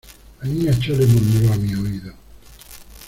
la Niña Chole murmuró a mi oído: